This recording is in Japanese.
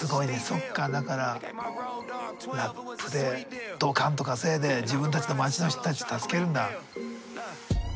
そっかだからラップでどかんと稼いで自分たちの街の人たち助けるんだ。